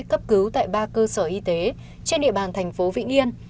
cấp cứu tại ba cơ sở y tế trên địa bàn tp vĩnh yên